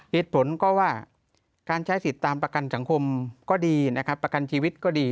เหตุผลก็ว่าการใช้สิทธิ์ตามประกันสังคมก็ดีนะครับประกันชีวิตก็ดี